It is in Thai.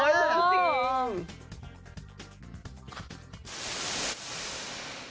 เหลือสิ